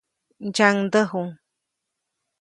Ntsyaŋdäju.